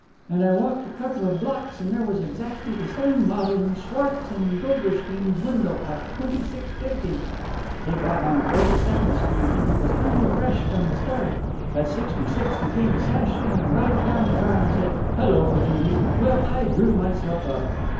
"... And I walked a couple of blocks, and there was exactly the same model in Schwartz and Gulderstein's window at twenty six fifty...." "... He got on Forty second Street, and he was kinda fresh from the start. At Sixty sixth he came sasshaying right down the car and said 'Hello, patootie!' Well, I drew myself up...."